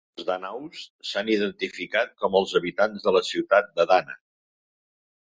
Els danaus s'han identificat com els habitants de la ciutat d'Adana.